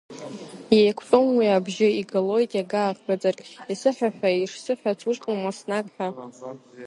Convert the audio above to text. Иеиқәтәом уи абжьы, игалоит иага ахыҵыргь, исыҳәошәа ишсыҳәац, ушҟа ма снаг ҳәа.